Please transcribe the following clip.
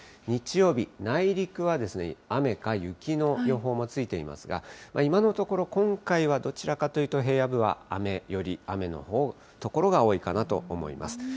日曜日、内陸は雨か雪の予報もついていますが、今のところ、今回はどちらかというと、平野部は雨より、雨の所が多いかなと思います。